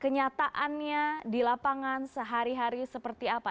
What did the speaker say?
kenyataannya di lapangan sehari hari seperti apa